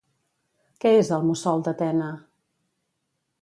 Què és el mussol d'Atena?